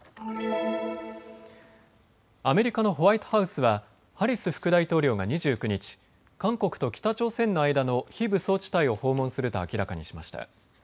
アメリカのホワイトハウスはハリス副大統領が２９日、韓国と北朝鮮の間の非武装地帯を訪問すると明らかにしました。